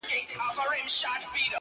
کوچي نکلونه، د آدم او دُرخانۍ سندري،